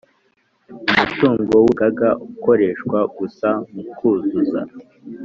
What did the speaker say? Umutungo w Urugaga ukoreshwa gusa mu kuzuza